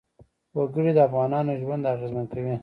وګړي د افغانانو ژوند اغېزمن کوي.